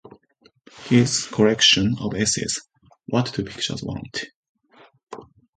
His collection of essays What Do Pictures Want?